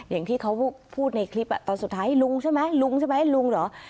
อย่างที่เขาพูดในคลิปตอนสุดท้ายลุงใช่ไหมลุงใช่ไหมลุงเหรอ